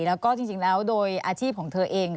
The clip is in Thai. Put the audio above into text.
แล้วก็จริงแล้วโดยอาชีพของเธอเอง